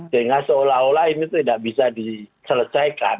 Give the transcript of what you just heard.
sehingga seolah olah ini tidak bisa diselesaikan